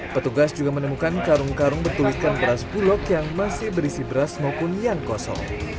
petugas juga menemukan karung karung bertuliskan beras bulog yang masih berisi beras maupun yang kosong